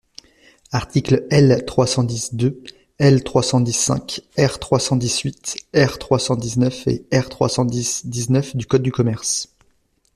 Articles L. trois cent dix deux, L. trois cent dix cinq, R. trois cent dix huit, R. trois cent dix neuf et R trois cent dix dix-neuf du code de commerce.